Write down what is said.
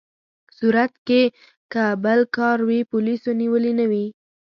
صورت کې که بل کار وي، پولیسو نیولي نه وي.